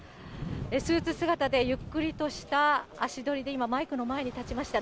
スーツ姿でゆっくりとした足取りで今、マイクの前に立ちました。